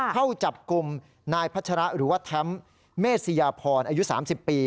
เข้าจับกลุ่มนายพัชระหรือว่าแท้มเมษยาพรอายุ๓๐ปี